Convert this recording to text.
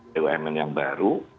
bumn yang baru